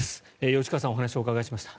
吉川さんにお話を伺いました。